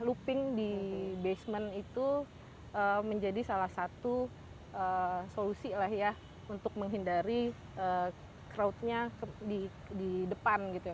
jadi konsep parkir yang looping di basement itu menjadi salah satu solusi lah ya untuk menghindari crowd nya di depan gitu ya